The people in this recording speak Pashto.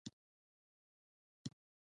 مېلمه ته ښه چلند صدقه ده.